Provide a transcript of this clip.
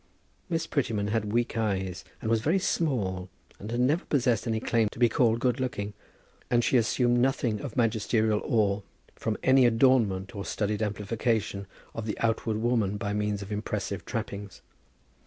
Miss Prettyman had weak eyes, and was very small, and had never possessed any claim to be called good looking. And she assumed nothing of majestical awe from any adornment or studied amplification of the outward woman by means of impressive trappings.